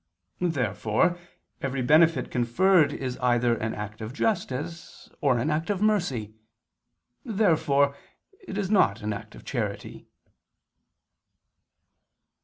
Therefore every benefit conferred is either an act of justice, or an act of mercy. Therefore it is not an act of charity.